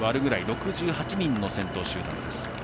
６８人の先頭集団です。